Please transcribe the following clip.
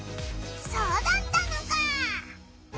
そうだったのか！